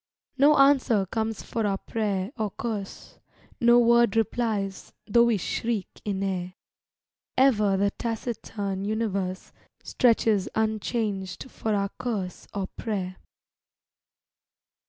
No answer comes for our prayer or curse, No word replies though we shriek in air; Ever the taciturn universe Stretches unchanged for our curse or prayer.